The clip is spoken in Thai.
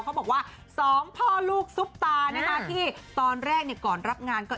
ทว่า๒พ่อลูกซุฟตานะคะที่ตอนแรกเนี้ยก่อนรับงานก็